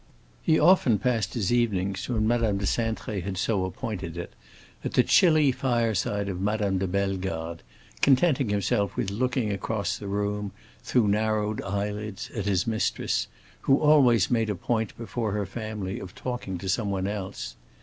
He often passed his evenings, when Madame de Cintré had so appointed it, at the chilly fireside of Madame de Bellegarde, contenting himself with looking across the room, through narrowed eyelids, at his mistress, who always made a point, before her family, of talking to someone else.